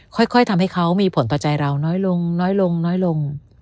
ค่อยทำให้เขามีผลต่อใจเราน้อยลง